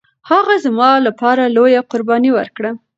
هغه زما لپاره لويه قرباني ورکړه